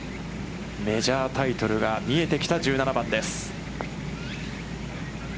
メジャータイトルが見えてきた１７番です。